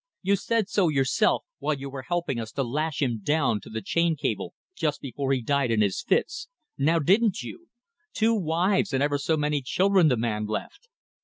You said so yourself while you were helping us to lash him down to the chain cable, just before he died in his fits. Now, didn't you? Two wives and ever so many children the man left.